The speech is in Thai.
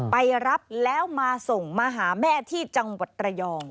ไปรับแล้วมาส่งมาหาแม่ที่จังหวัดระยอง